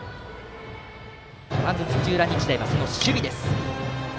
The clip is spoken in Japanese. まずは土浦日大、その守備です。